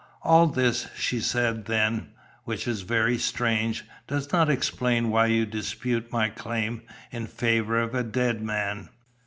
"All this," she said then, "which is very strange, does not explain why you dispute my claim in favour of a dead man.